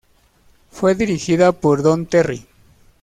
Fue dirigida por Don Terry.